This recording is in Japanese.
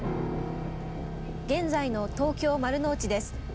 現在の東京・丸の内です。